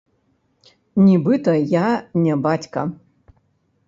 Нібыта я не бацька.